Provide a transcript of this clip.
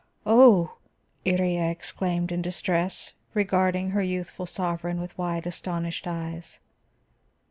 "Oh!" Iría exclaimed in distress, regarding her youthful sovereign with wide, astonished eyes.